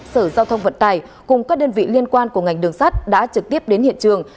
sở giao thông vận tải cùng các đơn vị liên quan của ngành đường sắt đã trực tiếp đến hiện trường